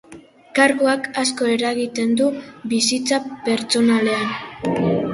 Karguak asko eragiten du bizitza pertsonalean.